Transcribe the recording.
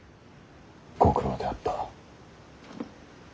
ご苦労であった。